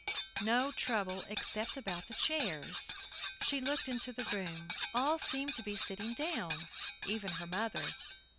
No trouble, except about the chairs. She looked into the room; all seemed to be sitting down, even her mother.